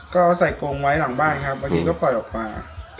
ก็ใส่กรงไว้หลังบ้านครับบางทีก็ปล่อยออกมา